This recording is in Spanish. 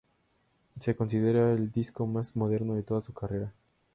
Se considera el disco más moderno de toda su carrera.